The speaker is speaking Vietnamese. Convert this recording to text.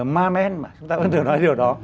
ma men mà chúng ta vẫn thường nói điều đó